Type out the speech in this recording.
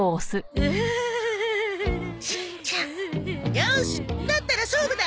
よーしだったら勝負だ！